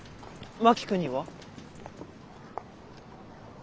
真木君には？